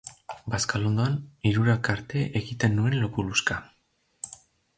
Bazkalondoan hirurak arte egiten nuen lokuluxka.